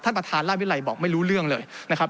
ประธานราชวิรัยบอกไม่รู้เรื่องเลยนะครับ